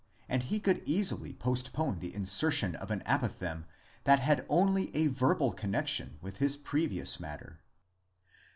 and he could easily postpone the insertion of an apophthegm that had only a verbal connexion with his. previous matter.